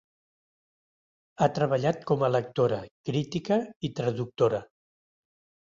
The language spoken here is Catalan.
Ha treballat com a lectora, crítica i traductora.